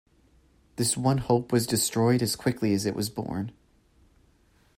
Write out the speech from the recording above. This one hope was destroyed as quickly as it was born.